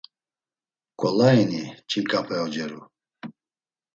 Ǩolaini ç̌inǩape oceru?